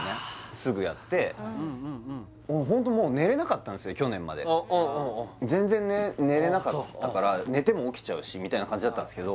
すぐやってホントもう全然寝れなかったから寝ても起きちゃうしみたいな感じだったんですけど